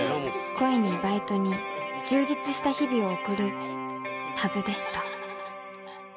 恋にバイトに充実した日々を送るはずでした